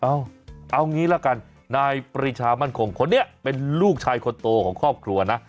เอาเอางี้ละกันนายปริชามั่นคงคนนี้เป็นลูกชายคนโตของครอบครัวนะ